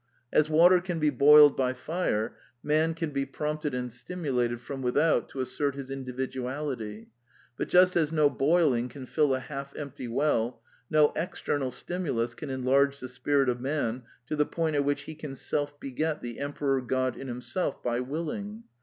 As water can be boiled by fire, man can be prompted and stimulated from without to assert his indi viduality; but just as no boiling can fill a half empty well, no external stimulus can enlarge the spirit of man to the point at which he can self beget the Emperor God in himself by willing.